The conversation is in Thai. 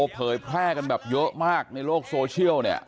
เผยแพร่กันแบบเยอะมากในโลกโซเชียลเนี่ย